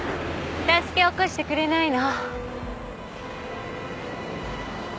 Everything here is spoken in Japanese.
助け起こしてくれないの？